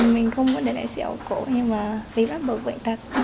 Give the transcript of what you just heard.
mình không muốn để lại xẻo cổ nhưng mà phải bắt buộc bệnh tật